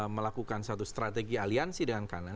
melakukan satu strategi aliansi dengan kanan